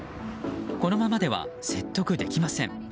このままでは説得できません。